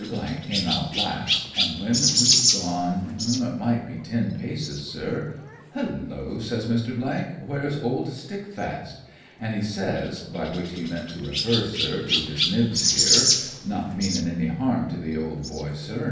come out last, an' when we'd gone it might be ten paces, sir. Hullo 1 ' says Mr. — ii t ,* Where's old Stickfast ?' he says, by which he meant to refer, sir, to his Nibs here, not meanin' any harm to the old boy, sir, not at aU, mm 1.